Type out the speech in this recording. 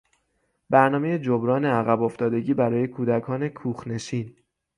برنامهی جبران عقبافتادگی برای کودکان کوخنشین